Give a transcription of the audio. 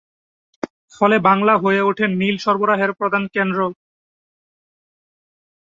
ফলে বাংলা হয়ে ওঠে নীল সরবরাহের প্রধান কেন্দ্র।